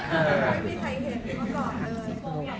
ไม่มีใครเห็นกันเมื่อก่อนเลย